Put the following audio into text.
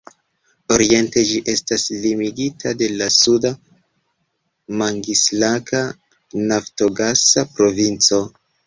Oriente ĝi estas limigita de la Sud-Mangiŝlaka naftogasa provinco.